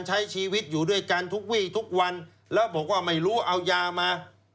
ใช้ชีวิตอยู่ด้วยกันทุกวี่ทุกวันแล้วบอกว่าไม่รู้เอายามา